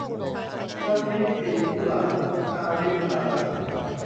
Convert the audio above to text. รักนี้สีกุหลาบ - อาริตา